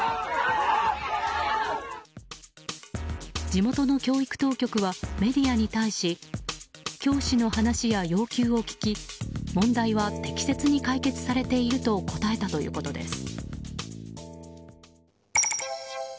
地元の教育当局はメディアに対し教師の話や要求を聞き問題は適切に解決されていると答えたということです。